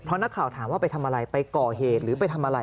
นักข่าวถามว่าไปทำอะไรไปก่อเหตุหรือไปทำอะไร